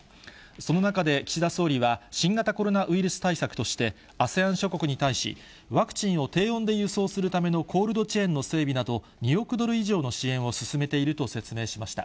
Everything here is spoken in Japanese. その中で岸田総理は、新型コロナウイルス対策として、ＡＳＥＡＮ諸国に対し、ワクチンを低温で輸送するためのコールドチェーンの整備など、２億ドル以上の支援を進めていると説明しました。